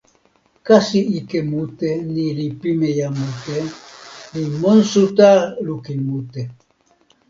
kasi ike mute ni li pimeja mute, li monsuta lukin mute.